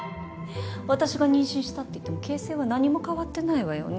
私が妊娠したって言っても形勢は何も変わってないわよね。